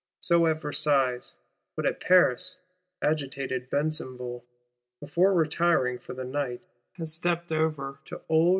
So at Versailles. But at Paris, agitated Besenval, before retiring for the night, has stept over to old M.